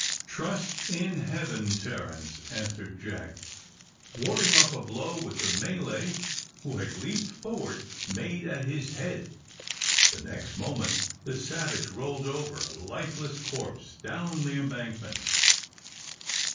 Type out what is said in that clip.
"Trust to Heaven, Terence," answered Jack, warding off a blow which a Malay who had leaped forward made at his head. The next moment the savage rolled over, a lifeless corpse, down the embankment.